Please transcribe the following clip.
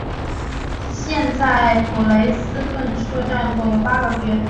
现在普雷斯顿车站共有八个月台。